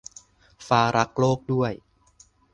ฟ้ารักโลกด้วย